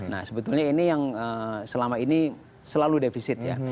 nah sebetulnya ini yang selama ini selalu defisit ya